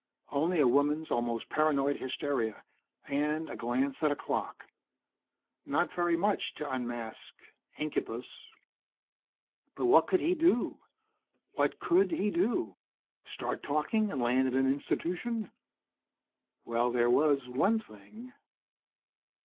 Only a woman's almost paranoid hysteria, and a glance at a clock. Not very much to unmask incubus. And what could he do? What could he do? Start talking and land in an institution? Well, there was one thing.